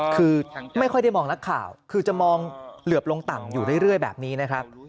คือไม่ค่อยได้มองนักข่าวคือจะมองเหลือบลงต่ำอยู่เรื่อยแบบนี้นะครับ